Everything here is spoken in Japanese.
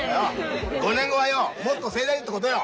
５年後はよもっと盛大にってことよ。